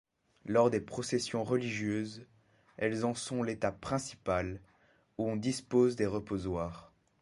Lors des processions religieuses, elles en sont l'étape principale, où on dispose des reposoirs.